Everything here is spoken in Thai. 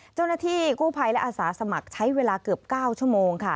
เจ้าหน้าที่กู้ภัยและอาสาสมัครใช้เวลาเกือบ๙ชั่วโมงค่ะ